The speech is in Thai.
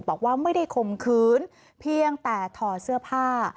บอกว่าไม่ได้ข่มขืนเพียงแต่ถอดเสื้อผ้า